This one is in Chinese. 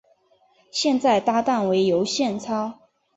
现在搭档为尤宪超。